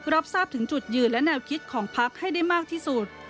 รับทราบถึงจุดยืนและแนวคิดของพักให้ได้มากที่สุด